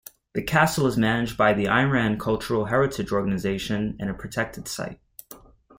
The castle is managed by the Iran Cultural Heritage Organisation and a protected site.